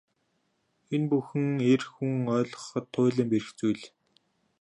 Энэ бүхэн эр хүн ойлгоход туйлын бэрх зүйл.